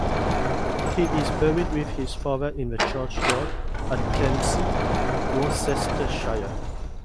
He is buried with his father in the churchyard at Kempsey, Worcestershire.